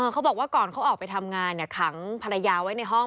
เขาบอกว่าก่อนเขาออกไปทำงานขังภรรยาไว้ในห้อง